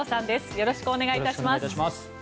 よろしくお願いします。